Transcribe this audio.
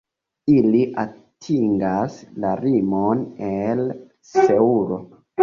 Ili atingas la limon el Seulo.